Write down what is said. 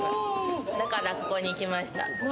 だからここに来ました。